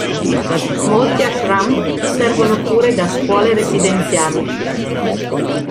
Molti ashram servono pure da scuole residenziali.